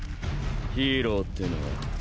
ヒーローってのァ